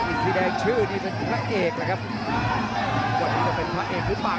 อินซีแดงชื่อนี้เป็นภรรย์เอกล่ะครับอันนี้จะเป็นภรรย์เอกมันมาก